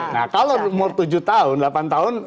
nah kalau umur tujuh tahun delapan tahun